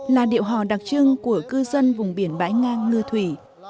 là điệu hò đặc trưng của cư dân vùng biển bãi ngang ngư thủy